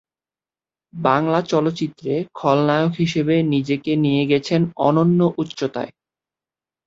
বাংলা চলচ্চিত্রে খলনায়ক হিসেবে নিজেকে নিয়ে গেছেন অনন্য উচ্চতায়।